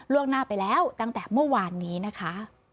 หน้าไปแล้วตั้งแต่เมื่อวานนี้นะคะ